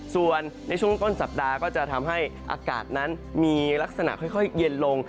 ส่วนในช่วงต้นสัปดาห์ก็จะทำให้อากาศนั้นมีลักษณะค่อยเย็นลง